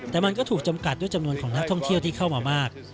แต่มันก็ถูกจำกัดด้วยจำนวนของนักท่องเที่ยวที่เข้ามามาก